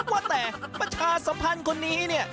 ว่าแต่ประชาสัมพันธ์คนนี้